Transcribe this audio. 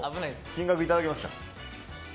金額いただきますから。